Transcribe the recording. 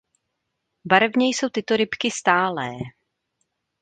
Barevně jsou tyto rybky stálé.